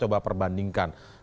sekarang tapi yang di sini